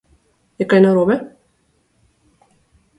Je kaj narobe?